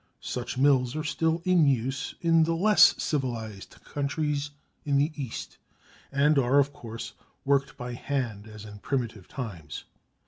Such mills are still in use in the less civilised countries in the East, and are of course worked by hand as in primitive times.